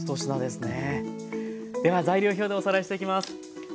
では材料表でおさらいしていきます。